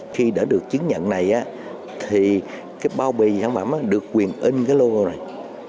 khi đã được chứng nhận này thì cái bao bì sản phẩm được quyền in cái logo này